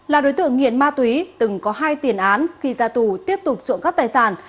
là đối tượng nghiện ma túy từng có hai tiền án khi ra tù tiếp tục trộm cắp tài sản